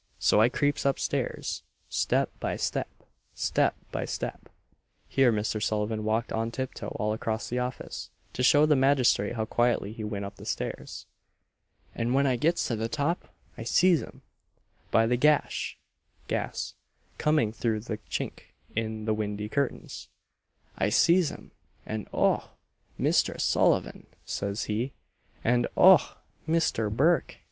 So I creeps upstairs, step by step, step by step, (here Mr. Sullivan walked on tip toe all across the office, to show the magistrate how quietly he went up the stairs,) and when I gets to the top, I sees 'em by the gash (gas) coming through the chink in the windy curtains I sees 'em; and 'Och! Misthress Sullivan!' says he; and 'Och! Misther Burke!'